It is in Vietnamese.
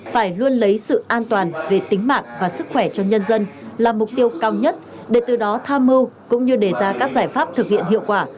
phải luôn lấy sự an toàn về tính mạng và sức khỏe cho nhân dân là mục tiêu cao nhất để từ đó tham mưu cũng như đề ra các giải pháp thực hiện hiệu quả